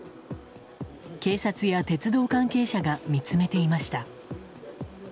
警察や鉄道関係者が見つめていました。